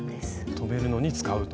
留めるのに使うと。